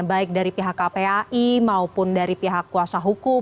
baik dari pihak kpai maupun dari pihak kuasa hukum